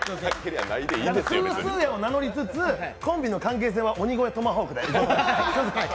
フースーヤを名乗りつつ、コンビの関係性は鬼越トマホークで。